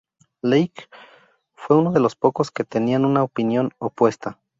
Legge fue uno de los pocos que tenían una opinión opuesta.